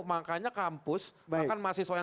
makanya kampus bahkan mahasiswa yang